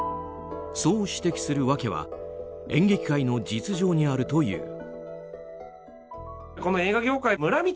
そう指摘する訳は演劇界の実情にあるという。